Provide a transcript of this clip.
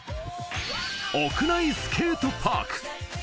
屋内スケートパーク。